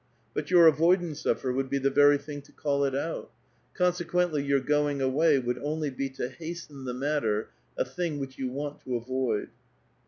But your avoidance of her would be tbe very thing to call it out. Consequently your going away would only be to hasten the matter, a thing which you want to avoid."